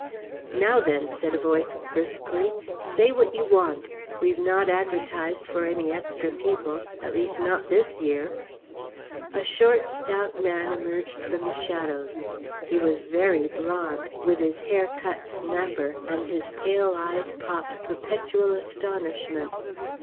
"Now, then," said a voice briskly. "Say what you want. We have not advertised for any extra people. At least not this year." A short, stout man emerged from the shadows. He was very blond, with his hair cut snapper, and his pale eyes popped perpetual astonishment.